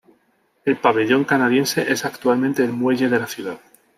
El pabellón canadiense es actualmente el muelle de la ciudad.